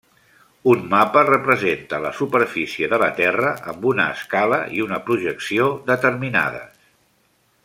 Un mapa representa la superfície de la terra amb una escala i una projecció determinades.